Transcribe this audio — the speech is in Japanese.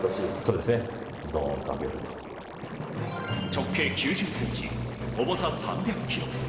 直径９０センチ、重さ３００キロ。